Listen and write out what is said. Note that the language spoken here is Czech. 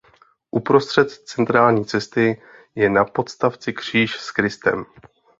Uprostřed centrální cesty je na podstavci kříž s Kristem.